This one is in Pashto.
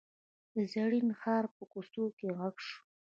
د زرین ښار په کوڅو کې غږ شو.